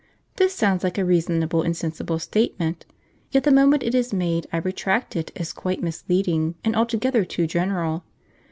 This sounds like a reasonable and sensible statement, yet the moment it is made I retract it, as quite misleading and altogether too general.